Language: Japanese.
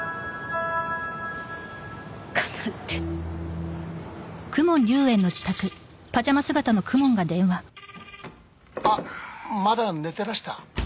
かなって・あっまだ寝てらした？